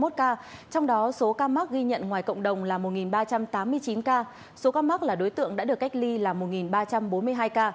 trong đó số ca mắc ghi nhận ngoài cộng đồng là một ba trăm tám mươi chín ca số ca mắc là đối tượng đã được cách ly là một ba trăm bốn mươi hai ca